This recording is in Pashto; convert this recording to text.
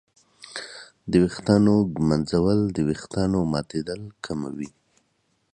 د ویښتانو ږمنځول د ویښتانو ماتېدل کموي.